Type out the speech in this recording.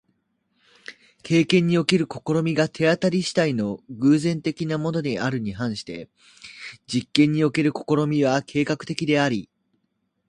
経験における試みが手当り次第の偶然的なものであるに反して、実験における試みは計画的であり、